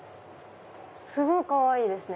すごいかわいいですね！